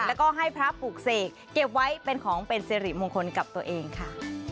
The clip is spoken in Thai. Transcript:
แล้วก็ให้พระปลูกเสกเก็บไว้เป็นของเป็นสิริมงคลกับตัวเองค่ะ